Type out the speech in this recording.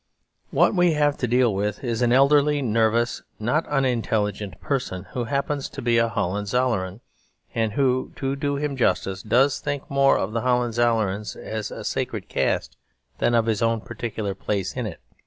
What we have to deal with is an elderly, nervous, not unintelligent person who happens to be a Hohenzollern; and who, to do him justice, does think more of the Hohenzollerns as a sacred caste than of his own particular place in it.